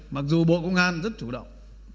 mặc dù bộ công an rất chủ động